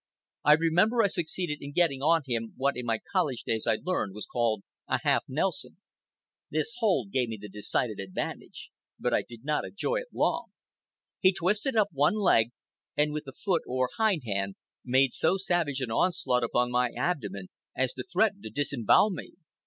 I remember I succeeded in getting on him what in my college days I learned was called a half Nelson. This hold gave me the decided advantage. But I did not enjoy it long. He twisted up one leg, and with the foot (or hind hand) made so savage an onslaught upon my abdomen as to threaten to disembowel me.